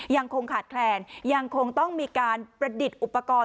ยังคงขาดแคลนยังคงต้องมีการประดิษฐ์อุปกรณ์